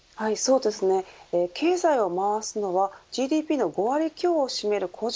経済を回すのはＧＤＰの５割強を占める個人